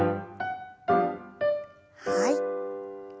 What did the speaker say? はい。